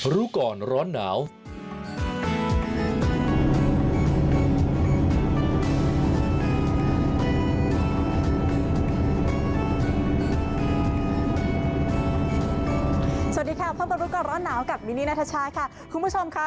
สวัสดีครับพบกับร้อนหนาวกับวินนี้นาธิชายค่ะคุณผู้ชมค่ะ